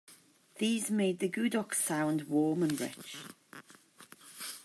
These made the gudok's sound warm and rich.